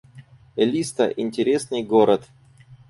Элиста — интересный город